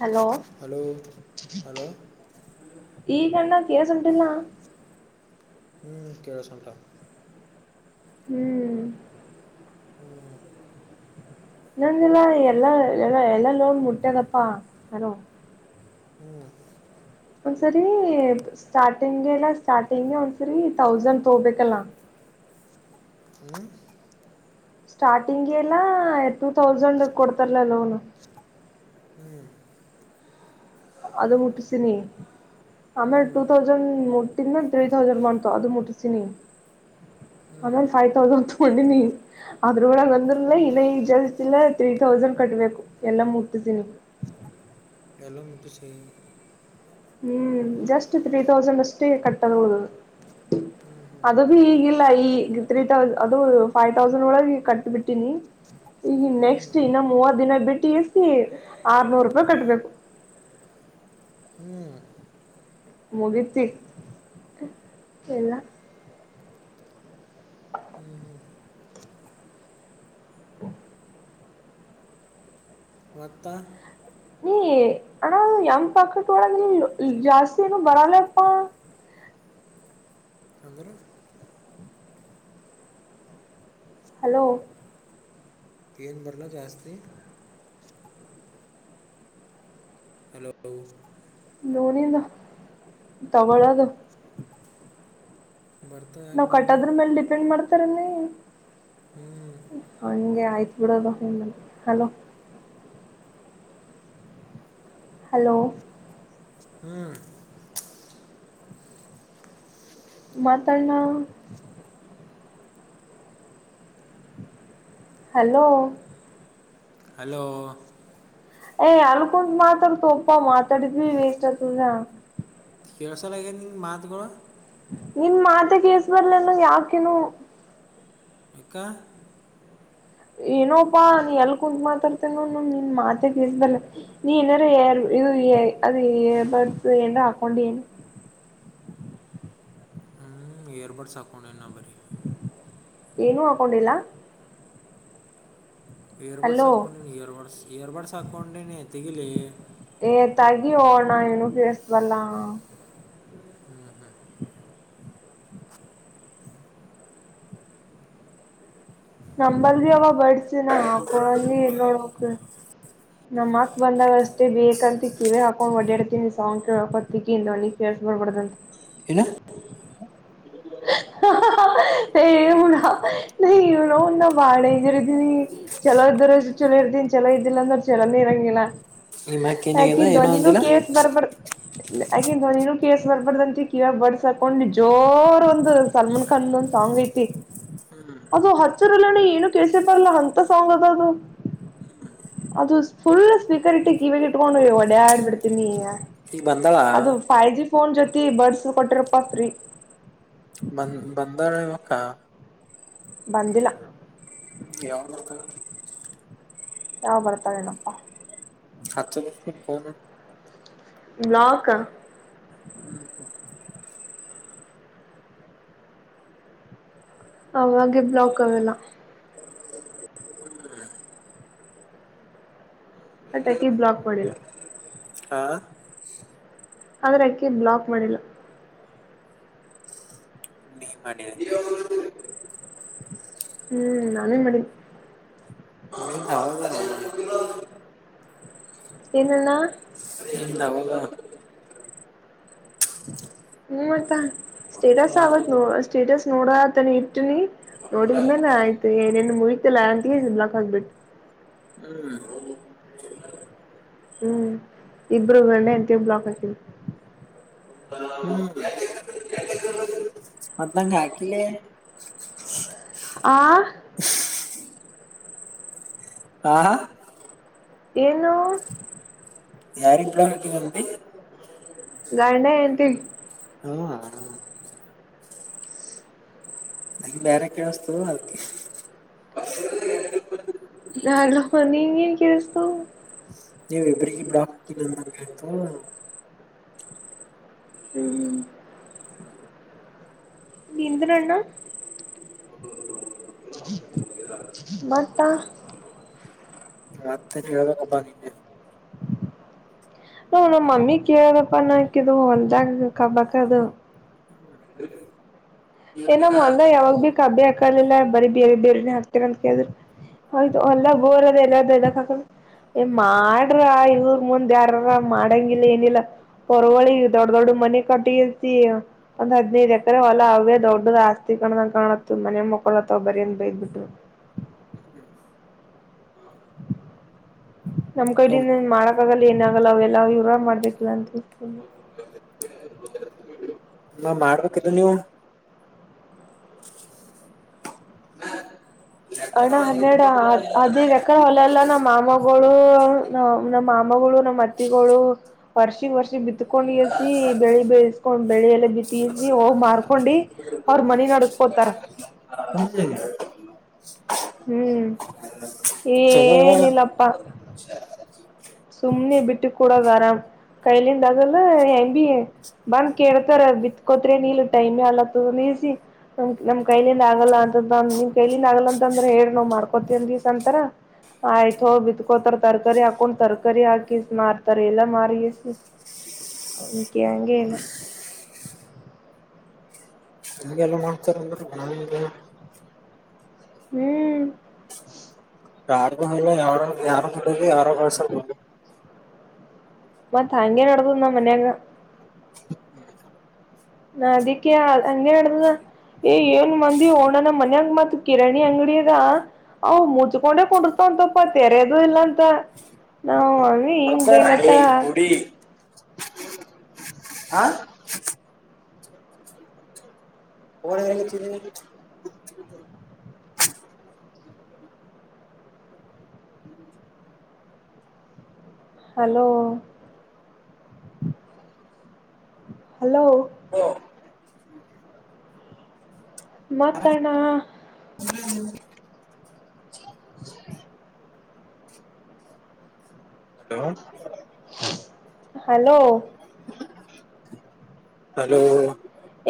Hello hello hello ಈಗ್ಣ ಕೇಸ ಉಟಿಲ್ಲ ಹ್ಮ್ ಕೇಳ ಸಟಾ ಹ್ಮ್ ಹ್ಮ್ ನಂದಲ್ಲ ಎಲ್ಲಾ ಎಲ್ಲ ಎಲ್ಲಾ ಲೋನ್ ಮುಟ್ಟದಪ್ಪಾ ಯಾರೋ ಹ್ಮ್ ಒಂದ್ಸರಿ ಸ್ಟಾರ್ಟಿಂಗ್ಗೆ ಎಲ್ಲ ಸ್ಟಾರ್ಟಿಂಗ್ಗೆ ಒಂದ್ಸರಿ ತೌಸಂಡ್ ತಗ್ಬೇಕಲ್ಲ ಹ ಹ್ಮ್ ಸ್ಟಾರ್ಟಿಂಗ್ ಎಲ್ಲ ಟೂ ತೌಸಂಡ್ ಕೊಡ್ತಾರಲ ಲೋನ್ ಹ್ಮ್ ಅದು ಮುಟ್ಟಸಿನಿ ಆಮೇಲೆ ಟೂ ತೌಸಂಡ್ ೇ ತ್ರೀ ತೌಸಂಡ್ ಮಾಡ್ತು ಅದು ಮುಟ್ಟಸೀಿನಿ ಆಮೇಲೆ ಫೈವ್ ತೌಸಂಡ್ ಒಿನ ಅ್ರೂಡ ಬಂದರಲ ಇನ್ನ ಜಾಸ್ತಲ ತಿೀ ತೌಸಂಡ್ ಕಟ್ಟಬೇಕು ಎಲ್ಲ ಮೂತಿಸಿನಿ ಎಲೋ ಮಿಟ್ಟುಿಸಿ ಹ್ಮ್ ಜಸ್ಟ್ ತ್ರೀ ತೌಸಂಡ್ ಅಷ್ಟೇ ಕಟ್ಟದ ಹದು ಅದುದು ಈಗಿಲ್ಲ ಈ ತ್ರೀ ತೌ ಅದು ಫೈವ್ ತೌಸಂಡ್ ಒಳಗೆ ಕಟ್ಬಿಟ್ಟೀನಿ ಈಗ ನೆಕ್ಸ್ಟ್ ಇನ್ನು ಮೂವತ್ ದಿನ ಬಿಟ್ಟು ಸ ಆರ್ನೂರು ರೂಪಾಯಿ ಕಟ್ಬೇಕು ಹ್ಮ್ ಮುಗತಿ ಎಲ್ಲ ಹ್ಮ್ ಹ್ಮ್ ಹ ಮತ್ತ ನೀ ಅಣ ಯಂಗ್ ಪಕಟ್ ಒಳ ಜಾಸ್ತಿ ಏನು ಬರಲ್ಲಪ್ಪ ಅಂದರು ಹಲೋ ಏನ್ ಬರಲ ಜಾಸ್ತಿ ಹಲೋ ನೋನಿಂದ ತವಳದು ಬರ್ತದೆ ಯಾಕೆ ನಾವ್ ಬರಲ್ಲ ಕಟ್ಟದ್ರ ಮೇಲೆ ಡಿಪೆಂಡ್ ಮಾಡ್ತಾರ ನೀಿ ಹ್ಞೂ ಹಂಗೆ ಆಯ್ತು good afternoon ma'am hello hello ಹ್ಮ್ ಮಾತಾಡ್ಣ ಹಲೋ ಹಲೋ ಏ ಅಲ್ಲಿಕ ಮಾತಾಡ ತೊಪ್ಪ ಮಾತಾಡಿ ಬಿ ವೇಸ್ಟ್ ಆ ತುುದಾ ಕೆೇಳ್ಸಲ್ಲಗ ನಿ ಮಾತ್ ಗರ ನಿನ್ ಮಾತೆಗೇಸ್ ಬರ್ಲನು ಯಾಕನು ಇಕ್ಕ ಏನೋಪ್ಪಾ ನೀ ಎಲ್ ಕುೂತ್ ಮಾತಾಡ್ತೇ ನಿನ್ ಮಾತೆ ದಿಸಬಲ್ಲ ನೀ ಏನಾರ ಯಾರ ಇವು ಅದ ಬರ್ತ ಎ ಹಾಕೊಂಡ ನ್ ಎಏಯರ್ಬಡ್ ಸಾಖಣನ್ನ ಬರಿ ಏನುೂ ಹಾಕೊಂಡಿಲ್ಲ ಇಯರ್ಬಡ್ಸ್ ಹಲೋ ಆಕ್ಕೊಂಡೇ ಇಯರ್ಬಡ್ಸ್ ಇಯರ್ಬಡ್ಸ್ ಆಾೊಂಡೇನೆ ಎತ್ತಗಿಿಲ್ಲ ಏತಾಗಿ ನ ಏನುಫಸಬಲ್ಲ ನಂಬಲ್ಗ ಅವ ಬಡಿಸಿಿನಾ ಕುಳಂದೆ ಇಲ್ಲೋ ನೋಕ್ ನಮ್ಮ್ ಮಕ್ ಬಂದಾಗ ಅಷ್ಟೇ ಬೇಕಂತ ಕಿವೇ ಹಾಕೊಂಡ್ ಡಾಡ್ತೀಿನಿ ಸಾವಂಗ್ ಕೇಳಕಕ್ಕಿ ಕ ವೇಸ್ಟ್, ಮಾಡಬಾರದಂತೆ? [inaudible] ಏನು? [unintelligible] ಹ, ಹಾ. [unintelligible] ಹಾ, ಇವನ್ನಾ, ಇವನ್ನ, ನೋಡಿದ್ರೆ, ಬಾಳಾ, ಚಲೋ, ಈಧರುನೊಡುರಿ, ಚಲ್ಲೋ! [unintelligible] ಫಿರ್ಧಿನ್, ಚಲೋ ಇದ್ದಿಲ್ಲ, ಅಂದ್ರೆ, ಚಲೋನೇ ಇರಂಗಿಲ್ಲ, ನಿಮ್ಮ ಅಕ್ಕ ಏನಾಗ್ಯದ ಹಾಕಿದ್ದು ಏನೋ ಧ್ವನಿನು, ಅಂದಿಲ್ಲ ಕೆಲ್ಷಿಶಿಬರಬಾರ್ಧು. [inaudible] ಹಾಕಿನೂ, ಧ್ವನಿನು, ಕೇಳಿಸಬಾರದು, ಕೇಳಿ ಬಡ್ಸ್ಕೊಂಡು ಜೋರ್. [inaudible] ಒಂದು, ಸಲ್ಮನ್, ಖಾನು, ಒಂದು ಸಾಂಗ್ ಐತಿ? [unintelligible] ಅದು, ಹಚ್ಚಿರಲ್ಲಣ, ಏನು, ಕೇಳಿಸಿ, ಬರ್ಲ್ಲ ಅಂತ, ಸಾಂಗ್, ಅದ, ಅದು. [unintelligible] ಅದು, ಫುಲ್ ಸ್ಪೀಕರ್, ಇಟ್ಟು, ಕೀವೆಂಗಿಟ್ಕೊಂಡು, ಒಡಿಯಾಡಿಬಿಡುತೀನಿ? [unintelligible] ಈಗ, ಬಂದಾಳಾ? [unintelligible] ಫೋನ್, ಜೊತೆ, ಬರ್ಡ್ಸ್, ಕೊಟ್ಟಿರಪ್ಪಾ, ಫ್ರೀ? [unintelligible] ಹಾ. [inaudible] ಬಂದಿಲ್ಲ! [unintelligible] ಯಾವುದು ಅಂತ. [unintelligible] ಹ, ಬರ್ತಾರೆ, ಏನಪ್ಪಾ? [unintelligible] ಹಚ್ಚು ನೀನು ಫೋನು? [unintelligible] ಬ್ಲಾಕ್. [unintelligible] ಆವಾಗಿದ್ದು ಬ್ಲಾಕ್ ಆಗಿಲ್ಲ. [unintelligible] ಅತ್ತಾಕಿ, ಬ್ಲಾಕ್ ಮಾಡಿಲ್ಲ! [unintelligible] ಹಾ. [unintelligible] ಆದ್ರ, ಅಕ್ಕಿ, ಬ್ಲಾಕ್ ಮಾಡಿಲ್ಲ! [unintelligible] ದೇವರಮನೆಲಿ. [unintelligible] ಹ್ಮ್, ನಾನೇನ್ ಮಾಡಿದೀನಿ. [unintelligible] ನಿಂದ ಅವಾಗ ಏನನ್ನ. [unintelligible] ಏನಿಲ್ಲ, ಹೋಗೋ. [unintelligible] ಹ್ಮ್, ಅಕ್ಕ, ಮತ್ತ ಸ್ಟೇಟಸ್ ಆವತ್ ನೋ ಸ್ಟೇಟಸ್ ನೋಡತಾನ, ಇಟ್ಟನಿ. [unintelligible] ನೋಡಿದ್ಮೇಲೆ, ಆಯ್ತು! ಏನೇನ್, ಮುಗಿತಿಲ್ಲ ಹಾಂಗೆ, ಬ್ಲಾಕ್ ಆಗ್ಬಿಟ್ಟು. [unintelligible] ಹ್ಮ್ ಹ್ಮ್, ಇಬ್ಬರೂ! ಗಂಡ, ಹೆಂಡ್ತಿ, ಬ್ಲಾಕ್ ಆಗಿದ್ದರು. [unintelligible] ಮತ್ ನಂಗ್, ಅಕೀಲೆ. [unintelligible] ಆ. [unintelligible] ಹಾ. [unintelligible] ಏನು? [unintelligible] ಯಾರು,, ಇಬ್ರಾ ಹಾಕುತ್ತೀರಿ, ರವಿ? [unintelligible] ಗಂಡ, ಹೆಂಡತಿ. [unintelligible] ನನಗೆ ಬೇರೆ ಕೇಳಿಸ್ತು ಅದಕ್ಕೆ? [unintelligible] ಹೇಳ್ರಪ್ಪ ನಿನಗೇನು ಕೇಳಿಸಿತು. [unintelligible] ಹೇಳ್ರಿ ಇಬ್ಬರಿಬ್ಬರ, ಇಬ್ಬರಿಬ್ಬರಾಯಿತು? [unintelligible] ಹ್ಮ್, ಹ್ಮ್ಮ್. [unintelligible] ನೀನೂಧರನ್ನ. [unintelligible] ಮತ. [unintelligible] ರಾತ್ರಿನೇ ಹೇಳ ಕರ್ತನಿಗೆ. [unintelligible] [inaudible] [unintelligible] ಹ್ಮ್ಮ್, ನಮ್ಮ, ಮಮ್ಮಿ, ಕೇಳದಪ್ಪ! ನ ಇದು ಹೊಲ್ದಾಗು, ಕಬಕ್ಕ ಅದು. [unintelligible] ಏನ್, ನಾನು, ಮಂಡೆ ಯಾವಾಗ! ಬೆಕ್ಕು, ಅಡ್ಡಿಯಾಕೊಂಡಿಯಲ್ಲ, ಬೇರೆ ಬಿರುನ್ನೆ, ಆಕ್ತಿನಿ ಅಂತ ಕೇಳಿದ್ದು? [unintelligible] ಆಯ್ತು, ಹೊಳದಾಗ ಬೋರಿದೆ, ಬೇರೆ ಕಡೆ ಹಾಕೋದು. [unintelligible] ಏ, ಮಾಡ್ರ, ಇವರ್, ಮುಂದ್ ಯಾರಾರಾ ಮಾಡಂಗಿಲ್ಲ, ಏನಿಲ್ಲ? [unintelligible] ಹೊರವಳಿ ದೊಡ್ಡ ದೊಡ್ಡ ಮನೆ ಕಟ್ಟಿತಿ ಒಂದ್ ಹದ್ನೈದು ಎಕರೆ ಹೊಲ ಅವೇ? [unintelligible] ದೊಡ್ಡದು, ಆಸ್ತಿ ಕಾಣಗು, ಕಾಣತ್ತು! ಮನೆೆಯ ಮಕ್ಕೊಳ್ಳತು, ಬಾರಿನ, ಬೈದುಬಿಟ್ಟು. [unintelligible] ನಮ್, ಕೈಲಿಂದ ಮಾಡಕ್ಕಾಗಲ್ಲ! ಏನಾಗಲ್ಲ ಅವೆಲ್ಲ? ಇವರಾಗ ಮಾಡ್ಬೇಕಿಲ್ಲ ಅಂತ, ಸುಮ್ನೆ. [unintelligible] [inaudible] [unintelligible] ನ ಮಾಡ್ಬೇಕು ನೀವು ಅಣ ಹನ್ನೆಡ ಅದೇ ಹೊಲಲ್ಲ ನಮ್ಮ್ ಮಾಮಗಳು ನಮ್ಮ್ ಮಾಮಗಳು ನಮ್ಮ್ ಅತ್ತಿಗಳು ವರ್ಷಗ್ ವರ್ಷ ಬಿತ್ಕೊಂಡ್ ಎಸಿ ಬೆಳಿ ಬೇಯಸ್ಕೊಂಡ್ ಬೆಳಿ ಎಲ್ಲ ಬಿತ್ತಸಿ ಹೋಗ್ ಮಾರ್ಕೊಂಡು ಅವ್ರ ಮನ ನಡೆಸ್ಕೋತಾರ ಹ ಹ್ಮ್ ಚಲೋ ಅಲ್ವಾ ಏನಿಲ್ಲಪ್ಪ ಸುಮ್ಮ್ನೆ ಬಿಟ್ಟ ಕೂಡ ತರ ಕೈಲಿಂದಾಗಲ್ಲ ಎಂಬಿ ಬಂದ ಕೇಳ್ತಾರ ಬಿತ್ಕೋತ್ರಿನೀಲ್ ಟೈಮ್ ಅಲತ್ತ ನಿಸಿ ನಮ್ ನಮ್ ಕೈಲಿಂದ ಆಗಲ್ಲ ಅಂತಂದ ನಿಮ್ ಕೈಲಿಂದ ಆಗಲ್ಲ ಅಂದ್ರ ಹೇಳಿ ನೋ್ ಮಾಡ್ಕೋತ ದಿವ್ಸ ಅಂತರ ಆಯ್ತ ಬಿತ್ಕೋತಾರ ತರಕಾರಿ ಹಾಕೊಂಡ ತರಕಾರಿ ಹಾಕೀ ಮಾರ್ತಾರೆ ಎಲ್ಲಾ ಮಾರ ಎನ ನ್ಂಗನು ನ ಎಲ್ಲ ಮಾಡ್ತಾರಂದ ಹ್ಮ್ ಆರ ಆರ ವಸ ಮ ತಾಂಗಗೆನೋಡದುಂದ ಮನೆಯ ಅಂಗ ನದಕ್ಕ ಅಂಗ ಮಾಡಾ ಏ ಏನ್ ಮಂದಿ ಹೋಣನ ಮನ್ಯಂಗ ಮತ್ ಕಿರಣಿ ಅಂಗಡಿ ಅದ ಅ ಮುಚ್ಕೊಂಡೆ ಕುಡರ್ತಂತಪ್ಪ ತೆರೆದು ಇಲ್ಲ ಅಂತ ನಾವ ಏನ್ ಮಕ್ಕೋರ ಏ ಬಯಲತ್ತಳ ಕುಡಿ ಹಾ [inaudible] [unintelligible] ಹಲೋ ಹಲೋ ಓ ಮಾತಣ್ಣ ಹಲೋ ಹಲೋ ಹಲೋ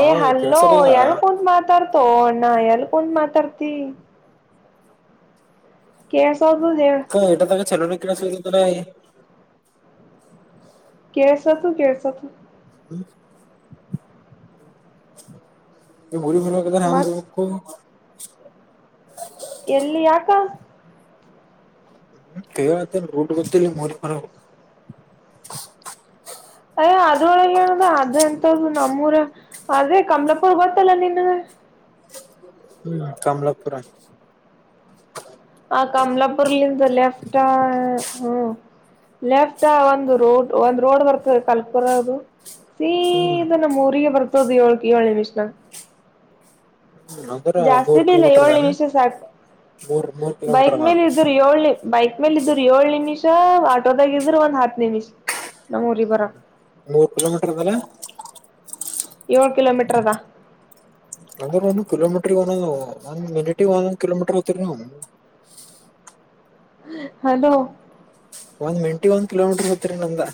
ಹಾ ಹಲ್ಲೋ ಕೇಳ್ಸಲಲ್ಲ ಎಲ್ಲ ಕುದ ಮಾತಾಡ್ತ ಅಣ್ಣ ಎಲ್ಲಿ ಕುೂಂದ ಮಾತಾಡ್ತಿ ಕೆಸ ಹ ಎಟ ತಗೆ ಚಲೋರಿ ಕಿನ ಸುುದಧ ತ ಕೆಸ ತು ಕೆಸ ತು ಹ ಈ ಭುರಿ ಭಲ ಕದ ರಾಮ ಮತ್ ರಕ್ಕ ಎಲ್ಲಿ ಯಾಕಾ ಹ್ಮ್ ಕತ ರೋಡ್ ಬಲಿ ಮರ ಬರ ಅಯ್ಯ ಅದ್ರೊಳಗೆ ಹೇಳದ ಅದ ಎಂತ್ದ ನಮ್ಮೂರ ಆದ್ರೆ ಕಮಲಪುರ್ ಗೊತ್ತಲ್ಲ ನಿನ್ಗೆ ಹ ಹ್ಮ್ ಕಮಲಪುರ ಆ ಕಮಲಾಪುರ್ಲ್ಲಿದ ಲಫ್ಟಾ ಹ್ಮ ಲೆಫ್ಟ ಒಂದು ರೋಡ್ ಒಂದ್ ರೋಡ್ ಬರ್ತದೆ ಕಲ್ಪುರದು ಸೀ ಹ್ಮ್ ಇದ ನಮ್ಮ ಊರಿಗೆ ಬರ್ತದು ಏಳ್ ಕಿ ಹೇಳಳಿ ಮಿಷ್ಣ ಹ್ಮ್ ಅಂದ್ರ ಜಾಸ್ತಿ ಮೂರ್ ಬ ಇಲ್ಲ ಕಿಲೋಮೀಟರ್ ಏಳ್ ಅದಾನ ವಿಷಯ ಸಾಕು ಮೂರ್ ಮೂರ್ ಕಿಲೋಮೀಟರ್ ಬೈಕ್ ಅದ ಮೇಲೆ ಇದರು ಏಳ ಬೈಕ್ ಮೇಲ್ ಇದ್ರರು ಏಳ್ ನಿಮಿಷ ಆಟೋದಾಗ ಇದ್ರರು ಒಂದ್ ಹತ್ ನಿಮಿಷ ನಮ್ಮೂರಿಗೆ ಬರ ಮೂರ್ ಕಿಲೋಮೀಟರ್ ಮಲೆ ಏಳ್ ಕಿಲೋಮೀಟರ್ದಾ ಅಂದ್ರ ಒಂದ ಕಿಲೋಮೀಟರ್ ಒಂದೊಂದ ಒಂದ್ ಮಿನಿಟ್ ಒಂದೊಂದ್ ಕಿಲೋಮೀಟರ್ ಆತರಿ ನೀವು ಹಲೋ ಒಂದ್ ಮೆಂಟಿಗೆ ಒಂದ್ ಕಿಲೋಮೀಟರ್ ಹತರಿ ನಂದ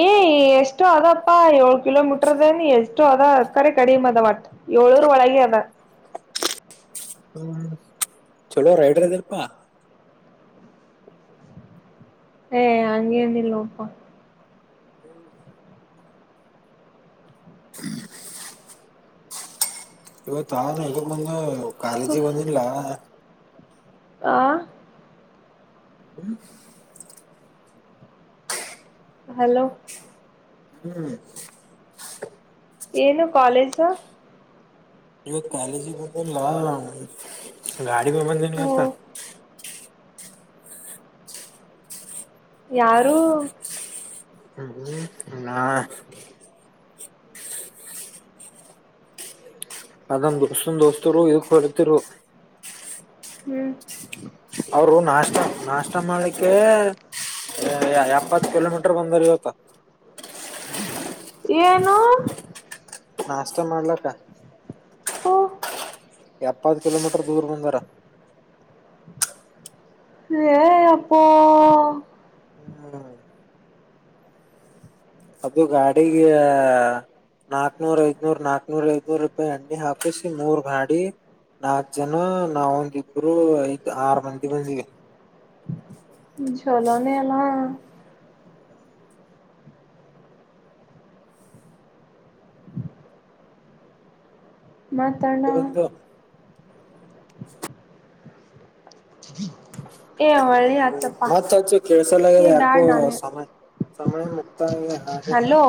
ಏ್ ಎಷ್ಟು ಅದಪ್ಪಾ ಏಳ್ ಕಿಲೋಮೀಟರ್ದೇನ ಎಷ್ಟು ಅದ ಕಡೆ ಕಡಿ ಅದವಟ್ ಏಳೂರು ಒಳಗೆ ಆದ ಹೂ ಚಲೋ ರೈಡ್ರದಲ್ಪ್ಪಾ ಏ ಅಂಗೇನಲ್ಲೋಪ ಹೂ ಹೂ ಇವತ್ತು ಆದ ಬಂದು ಕಾಲೇಜಿಗೆ ಬಂದಿಲ್ಲ ಆ ಹೂ ಹಲೋ ಹೂ ಏನು ಕಾಲೇಜು ಇವತ್ತು ಕಾಲೇಜ್ ಬಂದ್ ಗಾಡಿ ಮೇಲೆ ಬಂದಿನಿ ಹ್ಮ ಇವತ್ತು ಯಾರು ಹೂ ನಾಳೆ ಅದಂದಷ್ಟಂದ ದೋಸ್ತರು ಇದಕ್ ಹೊಳ್ತಿರು ಹೂ ಅವರು ನಾಷ್ಟ ನಾಷ್ಟ ಮಾಡ್ಲಿಕ್ಕೆ ಎಪ್ಪತ್ತು ಕಿಲೋಮೀಟರ್ ಬಂದರ ಇವತ್ತು ಏನು ನಾಷ್ಟಾ ಮಾಡ್ಲಕ್ಕ ಹೂ ಎಪ್ಪತ್ತು ಕಿಲೋಮೀಟರ್ ದೂರ ಬಂದಾರ ಅಯ್ಯೋ ಎಪ್ಪೋ ಹ್ಮ್ ಅದು ಗಾಡಿಗೆ ನಾಕ್ನೂರ್ ಐದನೂರ್ ನಾಕ್ೂರ್ ಐದನೂರು ರೂಪಾಯಿ ಹಾಕಿಸಿ ಮೂರ್ ಗಾಡಿ ನಾಕ್ ಜನ ನಾವೊಂದಿಬ್ರು ಐದ್ ಆರು ಮಂದಿಗೆ ಬಂದಿವಿ ಚಲೋನೆ ಅಲ್ಲ ಮತ್ತ ಅಣ್ಣ ಏ ಒಳ್ಳಿ ಆತಪ್ಪಾ ಮತ್ತ ಕೆಳ್ಸ ಲಗ್ಯದ ಏ ಬ್ಯಾಡ ನಾನೇ ಸಮಯ ಸಮಯ ಮುಕ್ತಗೆ ಹಾಗರ ಹಲೋ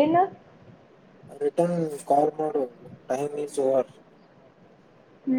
ಏನು ರಿಟರ್ನ್ ಕಾಲ್ ಮಾಡು ಟೈಮ್ ಇಸ್ ಓವರ್ ಹೂ